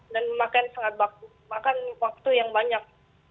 dan memakan waktu yang banyak